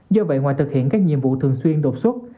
do vậy ngoài thực hiện các nhiệm vụ thường xuyên đột xuất